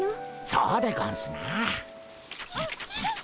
そうでゴンスな。